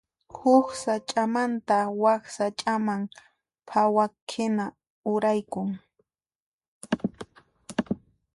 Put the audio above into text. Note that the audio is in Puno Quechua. Huk sach'amanta wak sach'aman phawaqhina uraykun.